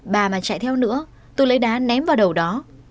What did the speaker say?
bà mà chạy theo nữa tôi lấy đá ném vào đầu đó